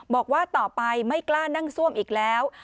บอกว่าต่อไปไม่กล้านั่งซ่วมอีกแล้ว